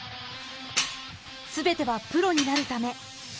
全てはプロになるため。